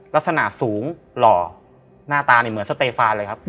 ลักษณะสูงหล่อหน้าตานี่เหมือนสเตฟานเลยครับ